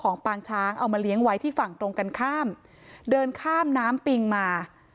ปางช้างเอามาเลี้ยงไว้ที่ฝั่งตรงกันข้ามเดินข้ามน้ำปิงมา